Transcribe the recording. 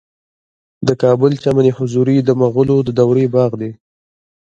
د کابل د چمن حضوري د مغلو دورې باغ دی